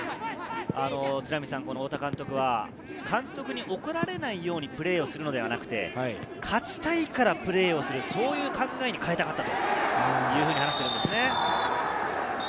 太田監督は、監督に怒られないようにプレーするのではなくて、勝ちたいからプレーをする、そういう考えに変えたかったと話をしています。